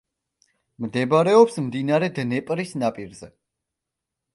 მდებარეობს მდინარე დნეპრის ნაპირზე.